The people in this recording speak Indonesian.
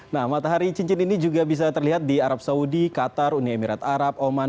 nah matahari cincin ini juga bisa terlihat di arab saudi qatar uni emirat arab oman